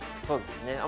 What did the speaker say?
そうですね。